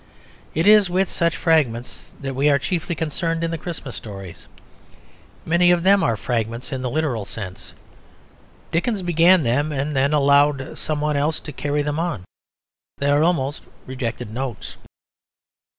It is with such fragments that we are chiefly concerned in the Christmas Stories. Many of them are fragments in the literal sense; Dickens began them and then allowed some one else to carry them on; they are almost rejected notes.